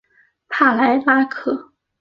帕莱拉克。